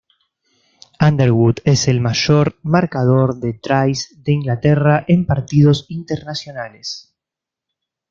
Underwood es el mayor marcador de tries de Inglaterra en partidos internacionales.